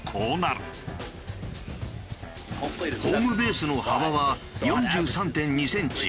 ホームベースの幅は４３．２センチ。